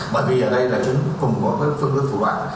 bởi vì ở đây là chúng cùng có phương thức thủ đoạn